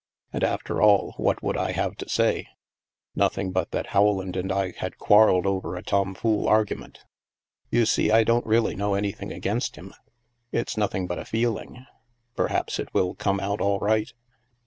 And after all, what would I have to say ? Nothing, but that Rowland and I had quarrelled over a tom fool argument. You see, I don't really know anything against him. It's nothing but a feeling. Perhaps it will come out all right.